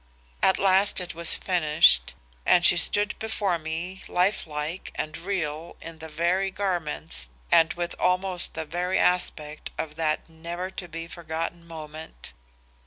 "At last it was finished and she stood before me life like and real in the very garments and with almost the very aspect of that never to be forgotten moment.